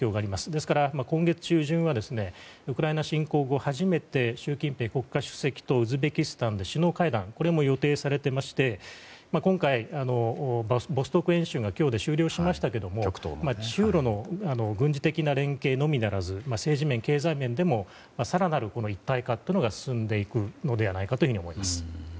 ですから今月中旬はウクライナ侵攻後初めて習近平国家主席とウズベキスタンでの首脳会談が予定されていて今回、ボストーク演習が今日で終了しましたけど中ロの軍事的な連携のみならず政治面、経済面でも更なる一体化が進んでいくのではないかと思います。